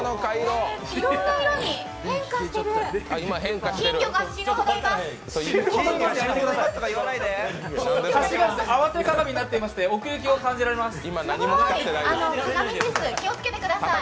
合わせ鏡になっておりまして奥行きを感じられます。